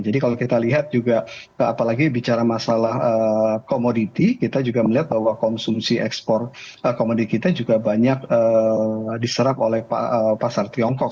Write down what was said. jadi kalau kita lihat juga apalagi bicara masalah komoditi kita juga melihat bahwa konsumsi ekspor komodi kita juga banyak diserap oleh pasar tiongkok